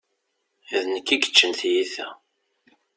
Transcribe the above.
D nekk i yeččan tiyita.